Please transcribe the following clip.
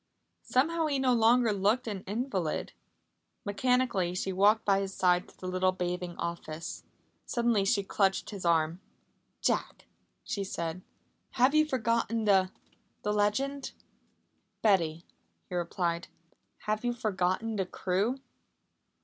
Somehow he no longer looked an invalid. Mechanically she walked by his side to the little bathing office. Suddenly she clutched his arm. "Jack," she said, "have you forgotten the the legend?" "Betty," he replied, "have you forgotten the crew?"